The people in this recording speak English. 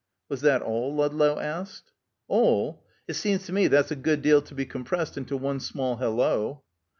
"Was that all?" Ludlow asked. "All? It seems to me that's a good deal to be compressed into one small 'hello.'"